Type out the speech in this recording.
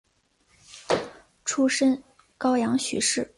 出身高阳许氏。